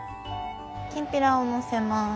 きんぴらをのせます。